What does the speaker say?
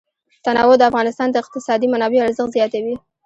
تنوع د افغانستان د اقتصادي منابعو ارزښت زیاتوي.